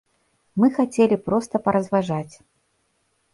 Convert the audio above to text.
Мы хацелі проста паразважаць.